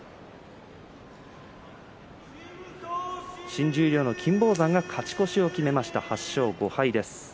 新十両、金峰山が勝ち越しを決めました８勝５敗です。